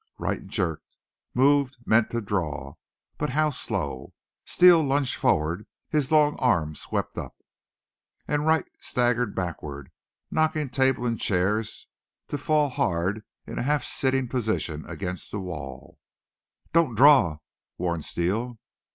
Wright jerked, moved, meant to draw. But how slow! Steele lunged forward. His long arm swept up. And Wright staggered backward, knocking table and chairs, to fall hard, in a half sitting posture, against the wall. "Don't draw!" warned Steele.